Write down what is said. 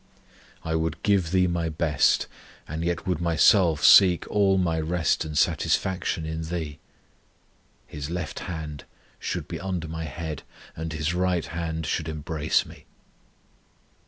I would give Thee my best, and yet would myself seek all my rest and satisfaction in Thee. His left hand should be under my head, And His right hand should embrace me.